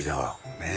ねえ。